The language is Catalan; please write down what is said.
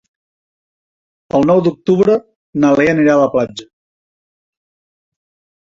El nou d'octubre na Lea anirà a la platja.